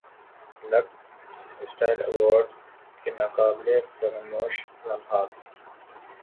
looks style award کے ناقابل فراموش لمحات